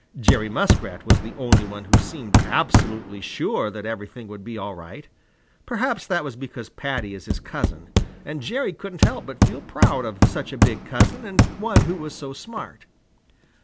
Jerry Muskrat was the only one who seemed absolutely sure that everything would be all right. Perhaps that was because Paddy is his cousin, and Jerry couldn't help but feel proud of such a big cousin and one who was so smart.